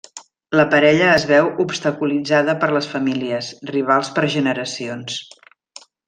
La parella es veu obstaculitzada per les famílies, rivals per generacions.